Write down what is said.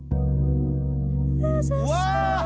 うわ！